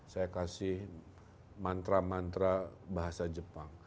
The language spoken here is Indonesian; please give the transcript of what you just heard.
saya kasih mantra mantra bahasa jepang